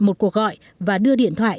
một cuộc gọi và đưa điện thoại